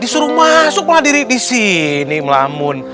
disuruh masuk pulang diri disini melamun